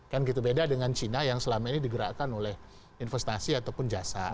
kan gitu beda dengan cina yang selama ini digerakkan oleh investasi ataupun jasa